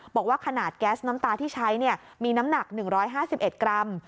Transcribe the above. บอกว่าขนาดแก๊สน้ำตาที่ใช้มีน้ำหนัก๑๕๑กรัม